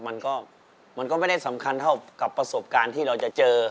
มันก็มันก็ไม่ได้สำคัญเท่ากับประสบการณ์ที่เราจะเจอ